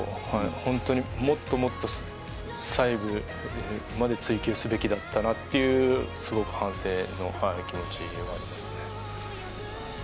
本当にもっともっと細部まで追及すべきだったなというすごく反省の気持ちがありますね。